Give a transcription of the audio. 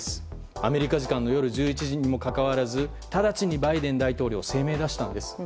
アメリカ時間夜１１時にもかかわらず直ちにバイデン大統領は声明を出したんです。